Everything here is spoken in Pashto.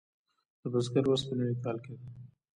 د بزګر ورځ په نوي کال کې ده.